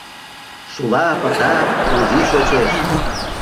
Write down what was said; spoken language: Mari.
Шула, пыта, у вий шочеш;